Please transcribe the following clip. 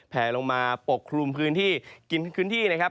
แผลลงมาปกคลุมพื้นที่กินพื้นที่นะครับ